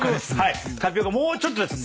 もうちょっとです。